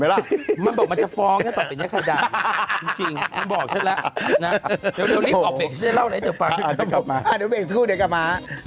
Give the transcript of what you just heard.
เราต้องใช้แล้วนะ